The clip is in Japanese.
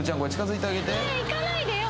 行かないでよ。